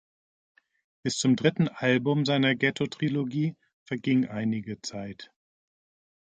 Bis zum dritten Album seiner Ghetto-Trilogie verging einige Zeit.